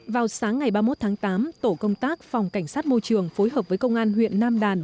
vào sáng ngày ba mươi một tháng tám tổ công tác phòng cảnh sát môi trường phối hợp với công an huyện nam đàn